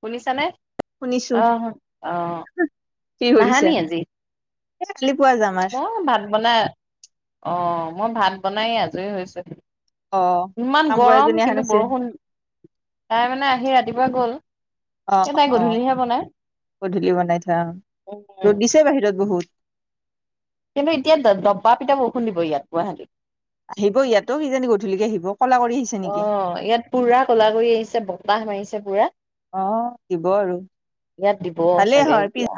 শুনিছানে? শুনিছো অ', আহ, কি কৰিছা নাহানি আজি? এ, কালি পুৱা যাম। আৰু এ, ভাত বনাই অ', মই ভাত বনাই আজৰি হৈছোঁ হে। অ ইমান কাম গৰম কৰাজনী অহা কিন্তু নাছিল বৰষুণ, তাই মানে আহি ৰাতিপুৱা গ'ল। অ', এই অ', তাই অ', গধূলিহে বনাই গধূলি বনাই থোৱা আহ, উম ৰ'দ দিছে বাহিৰত বহুত। কিন্তু এতিয়া দবা পিতা বৰষুণ দিব ইয়াত গুৱাহাটীত। আহিব ইয়াতো কিজানি গধূলিকে আহিব কলা কৰি আহিছে নেকি অহ, ইয়াত পুৰা কলা কৰি আহিছে বত হ মাৰিছে পুৰা। অ', দিব আৰু। ইয়াত দিব ভালেই চাগে হয় এতিয়া।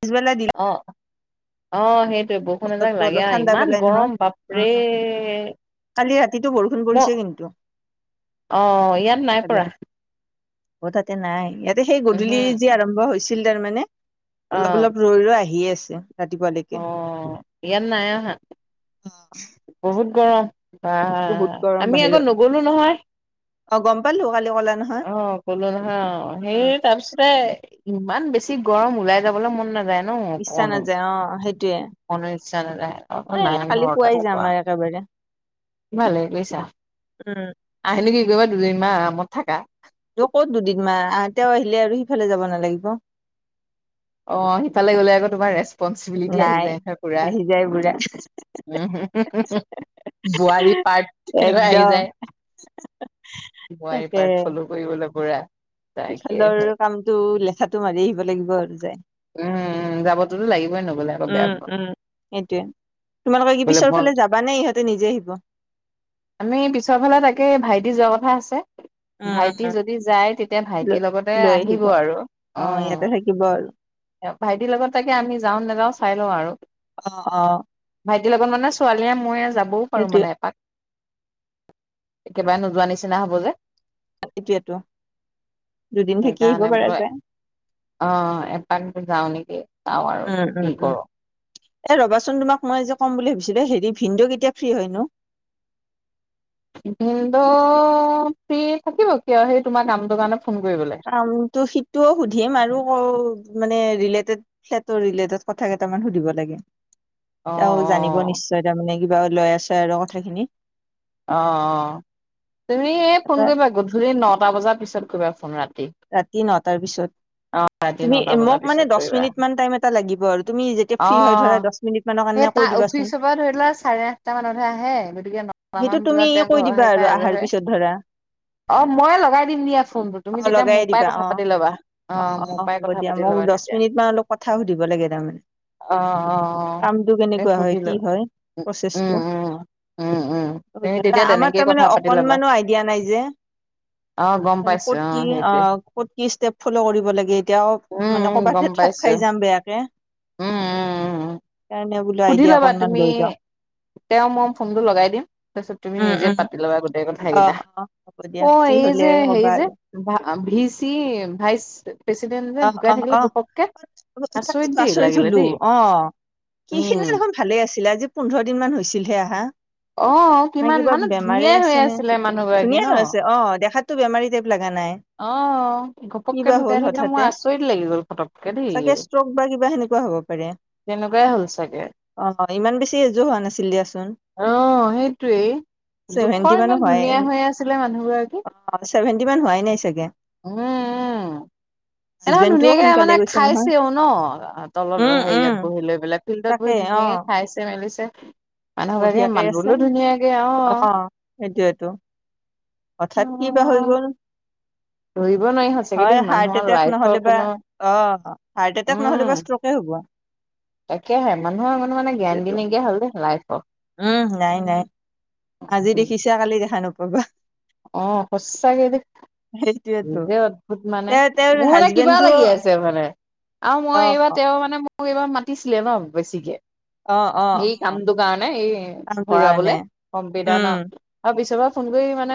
পিছবেলা দিলে অ'। অ', সেইটোৱে বৰষুণ এজাক বতৰটো লাগে অলপ আৰু ঠাণ্ডা ইমান পেলাই নহয় গৰম বাপৰে। উম কালি ৰাতিটো বৰষুণ ম পৰিছে কিন্তু। অ', ইয়াত নাই ইফালে পৰা। অ', তাতে নাই ইয়াতে সেই উহু গধূলি যি আৰম্ভ হৈছিল তাৰমানে অ অলপ, অলপ ৰৈ, ৰৈ আহিয়ে আছে ৰাতিপুৱালৈকে। অ', ইয়াত নাই আহা। অ'। বহুত গৰম অহ, গৰম আমি আগত নগ'লো নহয়। পালোঁ, কালি ক'লা নহয়। অ', ক'লো নহয়, উম সেই তাৰপিছতে ইমান বেছি গৰম ওলাই যাবলৈ মন নাযায় ন ইচ্ছা অকনো। নাযায় অ', সেইটোৱে। অকনো ইচ্ছা নাযায়। আকৌ নাই ঘৰতে [unintelligible] পুৱাই যাম কোৱা, আৰু একেবাৰে ভালেই কৰিছা। উম আহিনো কি কৰিবা দুদিনমান আৰামত থাকা। ত' ক'ত দুদিনমান আহ তেওঁ আহিলে আৰু সিফালে যাব নালাগিব! অ', সিফালে গ'লে আকৌ তোমাৰ ৰেচ চিবিলিটি আহি নাই যায় নহয় পুৰা, আহি যায় বুঢ়া [unintelligible] বোৱাৰী পাৰ্ট আহি একদম যায়, বোৱাৰী তাকে পাৰ্ট ফ'ল্লো। কৰিবলে পুৰা। সিফালৰ তাকেহে কামতটো লেথাটো মাৰি আহিব লাগিব আৰু যায়। উম, উম, যাবতোতো লাগিবই নগ'লে আকৌ বেয়া উম পাব। উম সেইটোয়ে তোমালোকে কি গলে মন পিছৰফালে যাবানে ইহঁতে নিজে আহিব? আমি পিছৰফালে তাকে ভাইটি যোৱা কথা আছে। উম উম ভাইটি উম যদি যায়, তেতিয়া ভাইটিৰ লগতে আহিব আৰু অ'। এবাৰ ভাইটিৰ লগত তাকে আমি যাওঁ নাযাওঁ চাই লওঁ আৰু অ অ ভাইটিৰ লগত মানে ছোৱালীয়ে ময়ে যাবও পাৰো এইটোয়ে মানে এপাক একেবাৰে নোযোৱা নিচিনা হব যে এতিয়াতো দুদিন থাকি আহিব সেইকাৰণে পাৰা বোলো যায় অ যাওঁ নেকি চাওঁ আৰু উম উম কি উম কৰো এ ৰবাচোন তোমাক মই যে ক'ম বুলি ভাবিছিলো হেৰি ভিন্দ কেতিয়া ফ্ৰী হয় নো ভিন্দ ফ্ৰি থাকিব কিয় সেই তোমাৰ কামটো কাৰণে ফোন কৰিবলে কামটো সিটোও সুধিম আৰু মানে ৰিলেটেড সটোৰ ৰিলেটড কথা কেইটামান সুধিব লাগে অ অ তেওঁ জানিব নিশ্চয় তাৰমানে কিবা লৈ আছে আৰু কথাখিনি অঁঁ তুমি এই ফোন তাৰপৰা কৰিবা গধূলি নটা বজাৰ পিছত কৰিবা ফোন ৰাতি ৰাতি নটাৰ পিছত অ ৰাতি তুমি নটা বজাৰ মোক মানে পিছত দছ কৰিবা মিনিটমান টাইম এটা লাগিব আৰু তুমি যেতিয়া ফ্ৰী হয় থাকা অ', দছ মি সেই তাৰ অফিচৰ পৰা ধৰি লোৱা চাৰে আঠটা মানতহে আহে গতিকে সেইটো কাহামান তুমি বজাত তেওঁ কৈ ঘৰ দিবা আহি আৰু পায় আহাৰ আজহ পিছত ধৰা অ মই লগাই দিম দিয়া ফোনটোত অ তুমি তেতিয়া লগাই মোৰ দিবা পৰাই অ কথা পাতি ল'বা অ মোৰ পৰাই হ'ব কথা দিয়া পাতি মোক ল'বা দহ তেতিয়া মিনিট মান অলপ কথা সুধিব লাগে তাৰমানে অ অ কামটো এই কেনেকুৱা হয় কি সুধিলো হয় উম প্ৰচেছটো উম উম উম তুমি তেতিয়া আমাৰ তেনেকেই তাৰমানে কথা পাতি ল'বা অকনমানো আইডিয়া নাই যে অ', গম পাইছো ক'ত অ সেইটোৱে। ক'ত কি ষ্টেপ ফ'ল' কৰিব লাগে এতিয়াও উম, মানে উম, গম কৰ'বাত ঠগ পাইছো খাই যাম বেয়াকে উম, উম, উম, উম। সেইকাৰণে ব সুধি লবা তুমি তেওঁ মই ফোনটো লগাই দিম তাৰপিছত তুমি উম নিজে উম পাতি ল'বা গোটেই কথা অ কেইটা অ হ'ব দিয়া অ ফ্ৰী এই হলে যে হেৰি ক'বা যে আৰু ভি চি ভাইচ প্ৰেচিডেন্ট যে অ ঢুকাই অ থাকিলে অ ঘপককে তাকে দেই আচৰিত লাগিলে থলো দেই আহ সিখিনি উম দেখোন ভালে আছিলে আজি পোন্ধৰ দিন মান হৈছিলহে আহা অ নাই কিমান কিবা মানে বেমাৰে ধুনীয়াই হৈ আছে নে আছিলে মানুহ গৰাকী ধুনীয়া ন ধৰ আছে অ দেখাত দেখাতটো বমাৰী টাইপ লগা নাই অ কি ঘপককে বা হ'ল ধুকাই থাকিলে হঠাতে মোৰ আচৰিত লাগি গল পটককে দেই চাগে ষ্ট্ৰক বা কিবা সেনেকুৱা হ'ব পাৰে তেনেকুৱাই হ'ল চাগে অ ইমান বেছি এযো হোৱা নাছিল দিয়াচোন অ হেইটোৱেই ছেভেন্টি জোখৰ মানো ইমান হয় ধুনীয়া হৈ আছিলে মানুহ গৰাকী অ চছেভেণ্টি মান হোৱাই নাই চাগে উম উম হেদিনাখন হাজবেণ্ডটোও ধুনীয়াকে সোনকালে মানে গৈছে নহয় খাইছে উ ন তলত উম হে ইয়াত উম বহি লৈ পেলাই ফিল্ডত তাকে বহি অ ধুনীয়াকে খাইছে মেলিছে মানুহবাকে বঢ়িয়াকে আছে মানুহলৈ ধুনীয়াকে অ সেইটোয়েটো অঠাৎ কি বা হৈ গ'ল ধৰিব নোৱাৰি হয়চেগে হয় দেই হাৰ্ট মানুহৰ এটেক নহ'লে লাইফৰ বা কোনো অ হাৰ্ট এটেক নহ'লে বা ষ্ট্ৰকে হ'ব তাকোহে মানুহৰ মানে সেইটো গেৰেনটি নাইকিয়া হ'ল দেই লাইফৰ উম নাই নাই আজি দেখিছো কালি দেখা নপাবা অ সঁচাকে দে সেইটোয়েতো নিজে অদ্ভুত মানে তে তেওঁৰ মোৰ মানে কিবা হাজবেণ্ডটো লাগি আছে মানে আৰু মই অ এইবাৰ তেওঁ মানে মোক এইবাৰ মাতিছিলে ন বেছিকে অ অ সেই অ কামটো কাৰণে এই কামটো কাৰণে ভৰাবলে কম্পিউটাৰ ন উম আৰু পিছৰ পৰা ফোন কৰি মানে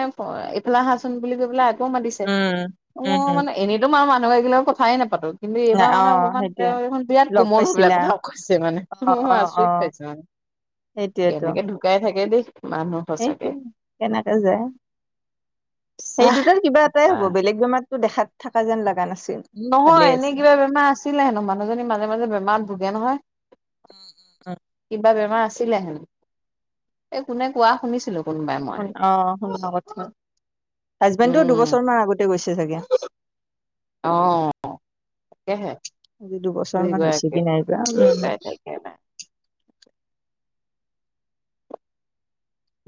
এফালা আহাচোন বুলি কৈ পেলাই আকৌ মাতিছে উম অ উম মানে এনেতো মাৰ মানুহ এগিলাক কথাই নাপাতো কিন্তু ন এইবাৰ অ মানে, অকণমান সেইটোয়ে তেওঁ এইখন বিৰাট লগ কোমল হৈ পেলাই পাইছিলা কথা কৈছে। মানে, মই আচৰিত পাইছে মানে। সেইটোৱেতো। শুকাই থাকে দেই মানুহ। সঁচাকে সেইটোৱে কেনেকে যায়, সেই চাহ দুটাৰ কিবা এটাই হ'ব তাহ বেলেগ বেমাত টো দেখাত থকা যেন লগা নাছিল। ভালে নহয় এনেই আছে কিবা বেমাৰ আছিলে হেনো, মানুহজনী মাজে মাজে বেমাৰত ভোগে নহয়। শুন কিবা বেমাৰ আছিলে, এই কোনে কোৱা শুনিছিলো। কোনোবাই মই ন অ শুন ক হাজবেণ্ডটো উম দুবছৰ মান আগতে গৈছে চাগে। অ', তাকেহে। আজি দুবছৰ ই মান হৈছে গে কি নাইবা শুকাই থাকে নাই।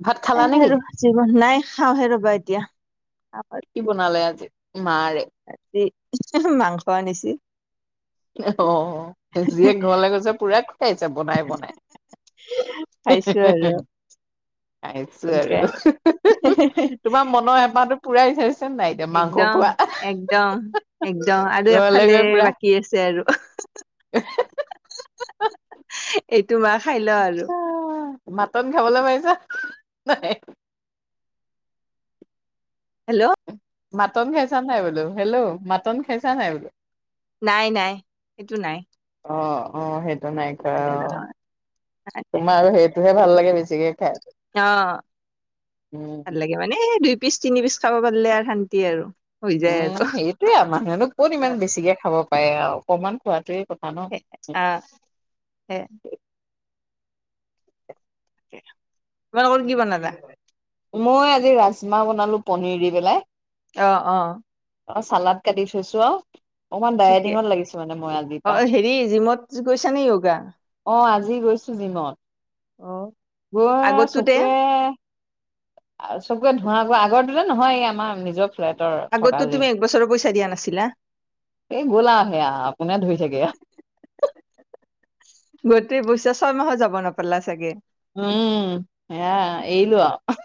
ভাত খালা এইয়াই নেকি আৰু জীৱন নাই খাওঁহে ৰবা এতিয়া। কি বনালে আজি মাৰে? ৰাতি মাংস আনিছল। অ', জীয়েক ঘৰলে গৈছে পোৰা খোৱাইছে বনাই বনাই। খাইছো আৰু। খাইছো এনেকে আৰু তোমাৰ মনৰ হেপাহতটো পুৰাই থইছে। একদম, একদম, একদম আৰু ঘৰলে এফালে বাকী আছে আৰু। অ এইটো মাহ খাই লওঁ আৰু। মাটন খাবলৈ পাইছা নাই? হেল্ল। মাটন খাইছা নাই বোলো হেল্লো মাটন খাইছা নাই বোলো। নাই নাই সেইটো নাই। অ', অ' সেইটো নাই কৰা অ'। নহয় তোমাৰ সেই তটোহে ভাল লাগে বেছিকে। খাই উম অ'। মানে, দুই পিচ তিনি পিচ খাব পাৰিলে আৰু শান্তি আৰু হৈ যায় আৰু। সেইটোৱেই, মানুহনো ক'ত ইমান বেছিকে খাব পাৰে আৰু অকনমান খোৱাাতোৱে কথা ন। অ', সেই তোমালোকৰ কি বনালা? মই আজি ৰাজমাহ বনালো পনীৰ দি পেলাই। অ', অ'। আৰু চালাদ কাটি থৈছো আও। অকমান ঠিকে ডাইডিঙত লাগিছো মানে মই আজিৰ অ পা। হেৰি জিমত গৈছা নে য়োগা অ', আজি গৈছো জিমত অ গৈ আগতোতে চকুৱে আৰু চকুৱে ধোঁৱা ধোঁৱা। আগৰদৰে নহয় এই আমাৰ নিজৰ ফ্লেটৰ থকা আগতো জিম তুমি এক বছৰ পইচা দিয়া নাছিলা। এই গ'ল আৰু সেয়া কোনে ধৰি থাকে। গোটেই পইচা ছয়মাহ যাব নাপালা চাগে। উম এয়া এৰিলো আৰু।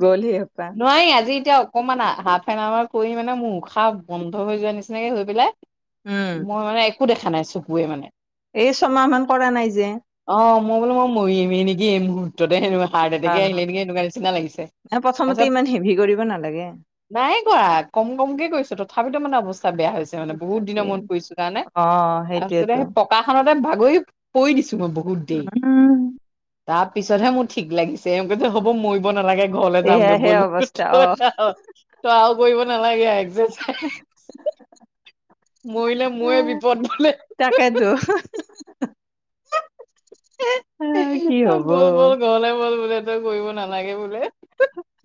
গ'লি অপা। নোৱাৰি আজি এতিয়া অকণমান হাফ এন আৱাৰ কৰি মানে, মোৰ উশাহ বন্ধ হৈ যোৱা নিচিনাকে হৈ পেলাই উম মই মানে, একো দেখা নাই চকুৱে মানে। এই ছমাহ মান কৰা নাই যে। অ মই বোল মৰিমে নেকি, এই মুহূৰ্ততে হাৰট এটেকে আহিলে নেকি সেকুৱা নিচিনা লাগিছে। ন প্ৰথমতে তাৰপিছত ইমান হেভি কৰিব নালাগে। নাই কৰা কম কমকে কৰিছো তথাপিতো মানে অৱস্থা বেয়া হৈছে। মানে, বহুত তথাপি দিনৰ মন পৰিছো কাৰণে, অ তাৰপিছতে সেইটোয়েতো সেই পকা খনতে বাগৰি পৰি দিছো মই বহুত দেৰি। উম তাৰ পিছতহে মোৰ ঠিক লাগিছে এওঁ ক যে হ'ব মৰিব নালাগে। ঘৰত যামগে এয়াহে বলো ত, অৱস্থা অ ত আৰু কৰিব নালাগে এক্সাৰচাইজ। [inaudible] মৰিলে ময়ে বিপদ নিলে। তাকেতো আহ, কি ত, হব বল, বল ঘৰলে বল বোলে তই কৰিব নালাগে বোলে।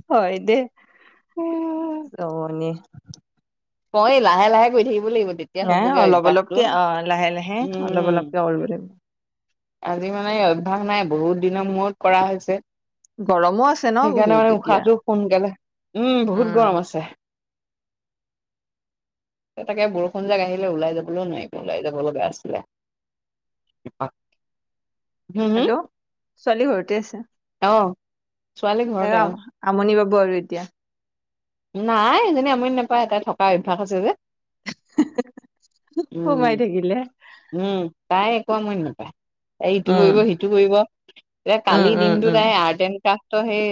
হয় দে অ, নি ক, লাহে, লাহে গৈ থাকিব লাগিব তেতিয়া। ন, হ'বগে অলপ, অভ্যাসটো অলপকে অ, লাহে, লাহে অলপ উম অলপকে ওলবম। আজি মানে অভ্যয়াস নাই, বহুত দিনৰ মূৰত কৰা হৈছে। গৰমো আছে ন সেইকাৰণে বহুত মানে এতিয়া উশাহটো সোনকালে, উম, বহুত গৰম আছে। [unintelligible] তাকে বৰষুণ যাক আহিলে ওলাই যাবলৈও নোৱাৰিব, ওলাই যাব ল'গা আছিলে। আহ। হেল্ল' ছোৱালী ঘৰতে আছে। অ'। ছোৱালী এ, ঘৰতে অ ৰাম আমনি পাব আৰু এতিয়া। নাই এজনী আমনি নাপায়, তাই থকা অভ্যাস আছে যে। উম, উম, সোমাই থাকিলে উহ তাই একো আমনি মই নাপায়। এইটো উম কৰিব সিটো কৰিব, এ উম কালি উম দিনটোত উম তাই আৰ্ট এণ্ড কন্ত্ত সেই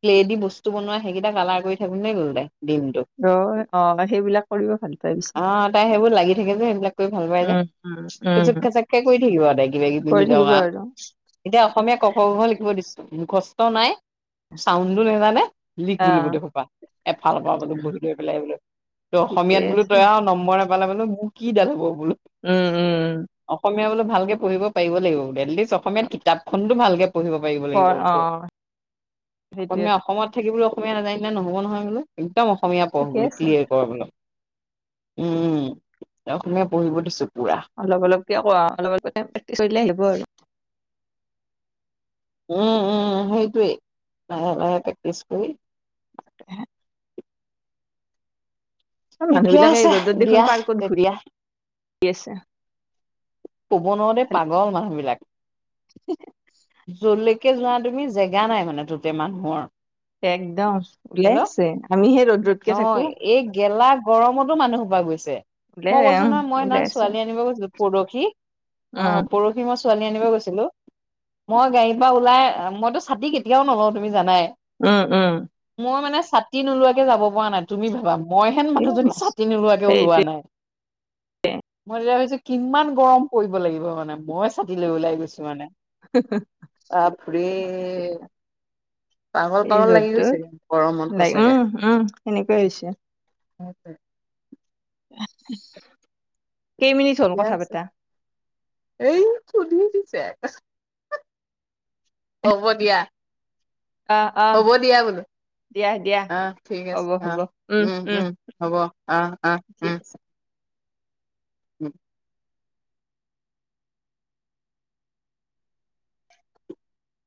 ক্লেদি বস্তু বনোৱা সেইকেইটা কালাৰ কৰি থাকোতেই গ'ল, তাই দিনটো। ৰ অ সেইবিলাক কৰিব ভাল পাই পিছত আহ' তাই সেইবোৰ লাগি থাকে যে সেইবিলাক কৰি ভাল পাই যে। উম উম উম খুচুক-খাচাক কৈ থাকিব আৰু কিবা-কিবি কৰি নিজা থাকিব আৰু এতিয়া অসমীয়া ক খ গ ঘ লিখিব দিছো মুখস্থ নাই। চাউণ্ডো নেজানে লিখ অ বুলো গোটেই সোপা। এফালৰ পৰা বোলো বহি লৈ পেলাই এইবোলে ঠিকেই অসমীয়াত বোলো আছে তই আৰু নম্বৰ নাপালে বোলো, মোক কি ডাল হ'ব বোলো। উম, উম। উম। অসমীয়া বোলো ভালকে পঢ়িব পাৰিব লাগিব, এটলিষ্ট অসমীয়াত কিতাপ খনতো ভালকে পঢ়িব পাৰিব প- অ লাগিবতো, সেইটোৱে অসমীয়া অসমত থাকিবলে অসমীয়া নাজানিলে নহ'ব নহয় বোলো, একদম অসমীয়া পঢ় ঠিকে বোলো, আছে ক্লিয়াৰ কৰ বোলো। উমহ' অসমীয়া পঢ়িব দিছো পোৰা। অলপ-অলপকে আকৌ অলপ-অলপকে প্ৰেক্টিছ কৰিলে আহিব আৰু। উম, উম' সেইটোৱেই লাহে, লাহে প্ৰেক্টিচ কৰি হে'। চব মানুহ ঠিকে বিলাকে এই আছে ৰ'দত দেখোন দিয়া পাৰ্কত ঘূৰি তেতিয়া আছে। ক'ব নোৱাৰোঁ দেই পাগল মানুহবিলাক। জল্ডিকে যোৱা তুমি জেগা নাই মানে ততে মানুহৰ। একদম ওলাইছে আমিহে ৰ'দত ন এই গেলা গৰমতো মানুহ সোপা গৈছে। ওলাই মই কৈছো আহ নহয়, মই সিদিনা ওলাই আছে ছোৱালী আনিব গৈছিলোঁ, পৰহি উম অ' পৰিহি। মই ছোৱালী আনিব গৈছিলো। মই গাড়ীৰ পৰা ওলাই, মইতো ছাতি কেতিয়াও নলওঁ তুমি জানাই। উম, উম। মই মানে ছাতি নোলোৱাকে যাব পৰা নাই তুমি ভাবা। মই হেন এই মানুহজনী মস্ত ছাতি নোলোৱাকে ওলোৱা সেইটোৱে নাই। মই তেতিয়া ভাবিছো কিমান গৰম পৰিব লাগিব মানে, মই চাতিলৈ ওলাই গৈছো মানে। আ-বেহ। পাগল এই পাগল লাগি ৰ'দটোত গৈছেগে, গৰমত লাগ সঁচাকে। উম উম সেনেকুৱাই হৈছে। [unintelligible] হেৱকে কেই মিনিনিট ঠিকে আছে, এই সুধি দিছে একসে। হ'ব দিয়া। আহ আহ হ'ব দিয়া বোলো। দিয়া দিয়া আহ' ঠিক আছে, আহ' উম, উম হ'ব আহ', আহ' ঠিক উম। আছে উম।